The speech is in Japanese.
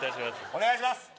お願いします